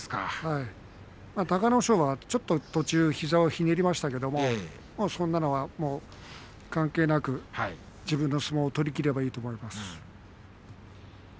隆の勝はちょっと途中膝をひねりましたけどそんなのは関係なく自分の相撲を取りきればいいと思います。